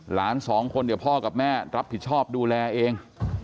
หลานสองคนเดี๋ยวพ่อกับแม่รับผิดชอบดูแลเอง